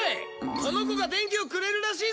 この子が電気をくれるらしいぞ！